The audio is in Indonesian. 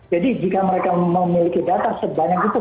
jadi jika mereka memiliki data sebanyak itu